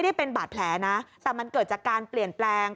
นี่เป็นบาดแผลนะแต่มันเกิดจากการเปลี่ยนแปลง